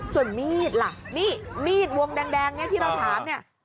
ส่วนมีดล่ะนี่มีดวงแดงเนี่ยที่เราถามเนี่ย